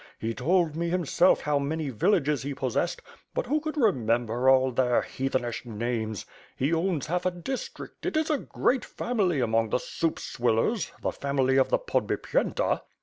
He told me hims If how many villages he possessed;* but who could remember all their heathenish names! He owns half a district; it is a great family among the soup swillers, the family of the Podbipyenta."